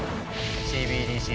ＣＢＤＣ